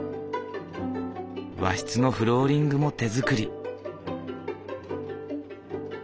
和室のフローリングも手作り。